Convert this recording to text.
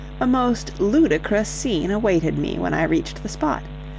A most ludicrous scene awaited me when I reached the spot.